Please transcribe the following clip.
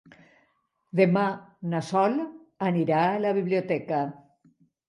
Demà na Sol anirà a la biblioteca.